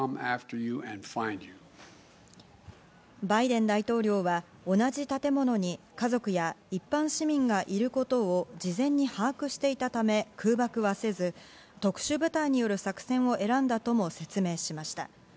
バイデン大統領は同じ建物に家族や一般市民がいることを事前に把握していたため空爆はせず、特殊部隊による作戦を選んだとも説明しました。